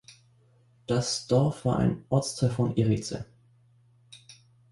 Das Dorf war ein Ortsteil von Erice.